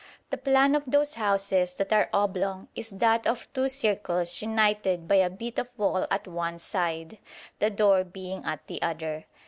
The plan of those houses that are oblong is that of two circles united by a bit of wall at one side, the door being at the other.